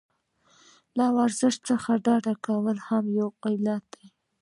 له ورزش څخه ډډه کول هم یو علت دی.